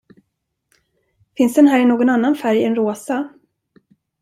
Finns den här i någon annan färg än rosa?